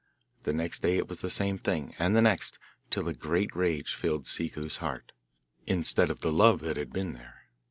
The next day it was the same thing, and the next, till a great rage filled Ciccu's heart instead of the love that had been there.